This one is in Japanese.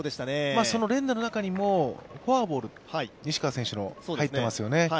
その連打の中にもフォアボール西川選手の、入ってますよね。